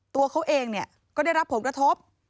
ตัวเขาเองก็ได้รับผลกระทบ